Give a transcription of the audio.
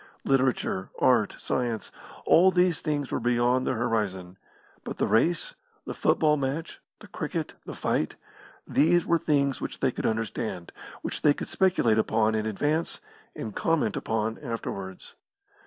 Literature, art, science, all these things were beyond their horizon; but the race, the football match, the cricket, the fight, these were things which they could understand, which they could speculate upon in advance and comment upon afterwards.